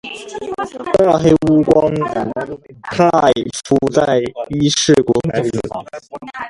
大黑屋光太夫在以伊势国白子。